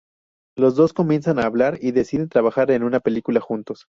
Los dos comienzan a hablar y deciden trabajar en una película juntos.